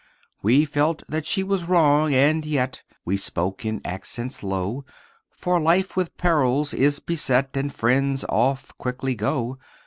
We felt that she was wrong, and yet We spoke in accents low, For life with perils is beset, And friends oft quickly go.